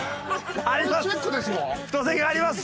あります。